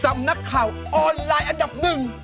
นักข่าวออนไลน์อันดับหนึ่ง